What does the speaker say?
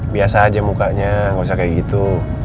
biasa aja mukanya gausah kayak gitu